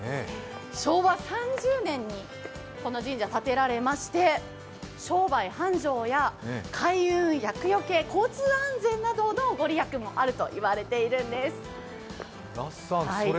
昭和３０年にこの神社は建てられまして、商売繁盛や開運厄除、交通安全などの御利益もあると言われているんです。